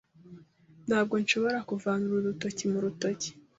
Ntabwo nshobora kuvana uru rutoki mu rutoki.